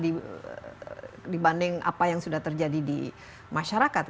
karena biasanya dengan teknologi ini pemerintah tiga atau empat langkah dibanding apa yang sudah terjadi di masyarakat